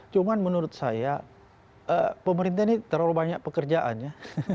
cuma menurut saya pemerintah ini terlalu banyak pekerjaan ya